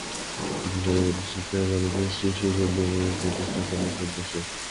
তিনি কারিগরী শিক্ষা কলেজ, শিশু কেন্দ্র প্রতিষ্ঠা করেন সন্তোষে।